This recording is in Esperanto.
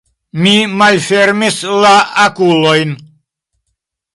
Mi malfermis la okulojn.